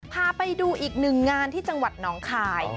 พาไปดูอีกหนึ่งงานที่จังหวัดน้องคาย